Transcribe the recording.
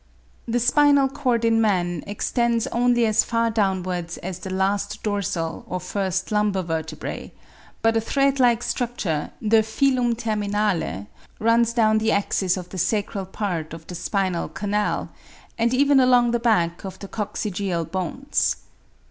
The spinal cord in man extends only as far downwards as the last dorsal or first lumbar vertebra; but a thread like structure (the filum terminale) runs down the axis of the sacral part of the spinal canal, and even along the back of the coccygeal bones.